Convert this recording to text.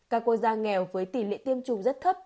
các quốc gia nghèo với tỷ lệ tiêm chủng rất thấp